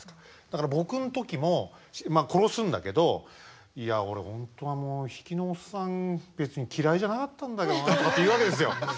だから僕の時も殺すんだけど「いや俺本当比企のおっさん別に嫌いじゃなかったんだけどなあ」とかって言うわけですよ。